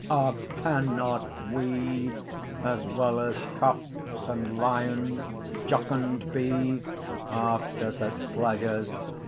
20 Ah cannot wee, As well as Cocks and Lyons jocund be, After such pleasures?